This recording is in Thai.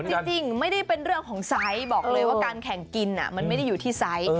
จริงไม่ได้เป็นเรื่องของไซส์บอกเลยว่าการแข่งกินมันไม่ได้อยู่ที่ไซส์